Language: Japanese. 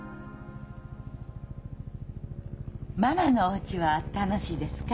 ママのおうちは楽しいですか？